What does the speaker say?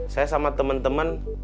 saya sama temen temen